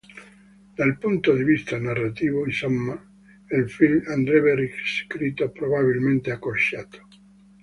Dal punto di vista narrativo, insomma, il film andrebbe riscritto, probabilmente accorciato.